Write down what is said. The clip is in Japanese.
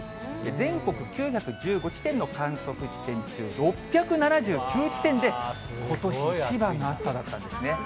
全国９１５地点の観測地点中６７９地点でことし一番の暑さだったんですね。